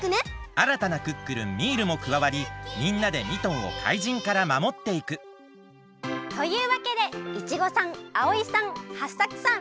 あらたなクックルンミールもくわわりみんなでミトンを怪人からまもっていくというわけでイチゴさんアオイさんハッサクさん